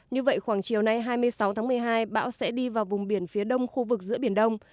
như vậy khoảng chiều nay hai mươi sáu tháng một mươi hai bão sẽ đi vào vùng biển phía đông khu vực giữa biển đông